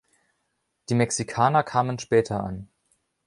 Die Mexikaner kamen später an.